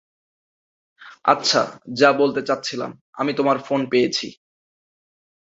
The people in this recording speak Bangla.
আচ্ছা, যা বলতে চাচ্ছিলাম, আমি তোমার ফোন পেয়েছি।